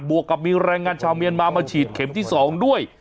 วกกับมีแรงงานชาวเมียนมามาฉีดเข็มที่๒ด้วย